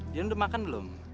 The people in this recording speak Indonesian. dian udah makan belum